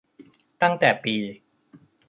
ตั้งแต่ปี